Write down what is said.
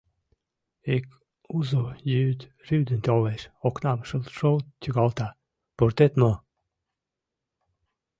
Ик узо йӱд рӱдын толеш, окнам шылт-шылт тӱкалта: «Пуртет мо?»